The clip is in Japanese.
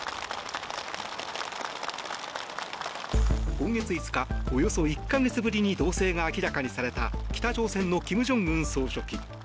今月５日、およそ１か月ぶりに動静が明らかにされた北朝鮮の金正恩総書記。